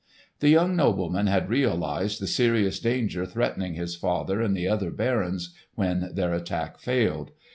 The young nobleman had realised the serious danger threatening his father and the other barons when their attack failed.